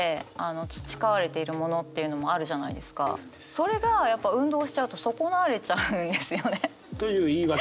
それがやっぱ運動しちゃうと損なわれちゃうんですよね。という言い訳？